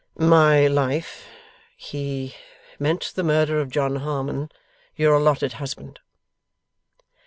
'My life, he meant the murder of John Harmon, your allotted husband.